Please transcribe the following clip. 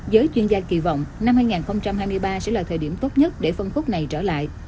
giới chuyên gia kỳ vọng năm hai nghìn hai mươi ba sẽ là thời điểm tốt nhất để phân khúc này trở lại